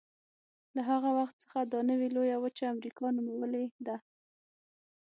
له هغه وخت څخه دا نوې لویه وچه امریکا نومولې ده.